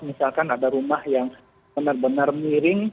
misalkan ada rumah yang benar benar miring